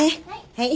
はい。